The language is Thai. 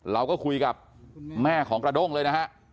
เราก็คุยกับแม่ของกระด้งเลยนะฮะ